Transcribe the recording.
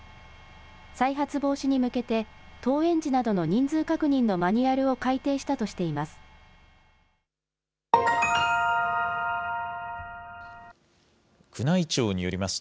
再発防止に向けて、登園時などの人数確認のマニュアルを改定したとしています。